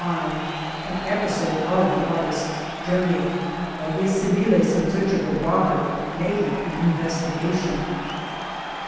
1^2 An episode of the artisfs journey : Guardias Civiles, in search of a robber, making an investigation